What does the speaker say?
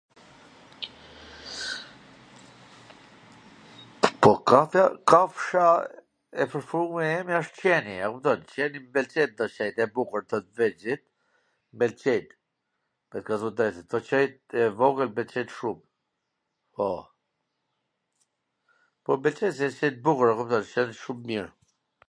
Po kafsha e preferume e emja wsht qeni a kupton qeni, m pwlqen thash jan t bukur kto t vegjlit, m pwlqejn, me kallzu t drejtwn, kto qenjt e vogwl m pwlqejn shum, po, po m pwlqen se jan qen tw bukur, mw kupton, dhe qen shum tw mir.